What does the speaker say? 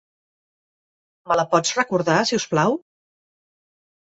Me la pots recordar, si us plau?